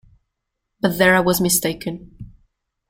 But there I was mistaken.